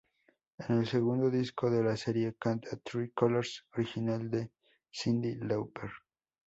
En el segundo disco de la serie, canta "True Colors" original de Cyndi Lauper.